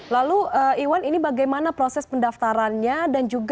lalu iwan ini bagaimana proses pendaftarannya